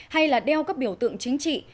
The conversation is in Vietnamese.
hay là đeo các biểu tượng chính trị